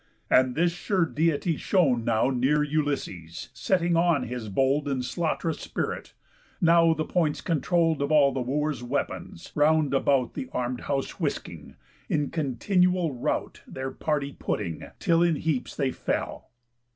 And this sure Deity shone Now near Ulysses, setting on his bold And slaught'rous spirit, now the points controll'd Of all the Wooers' weapons, round about The arm'd house whisking, in continual rout Their party putting, till in heaps they fell."